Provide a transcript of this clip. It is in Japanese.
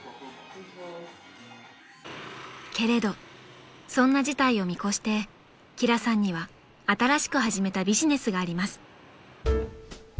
［けれどそんな事態を見越して輝さんには新しく始めたビジネスがあります］